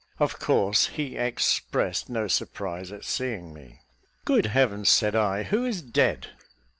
Of course he expressed no surprise at seeing me. "Good Heavens!" said I, "who is dead?"